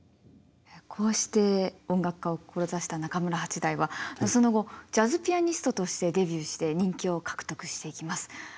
こうして音楽家を志した中村八大はその後ジャズピアニストとしてデビューして人気を獲得していきます。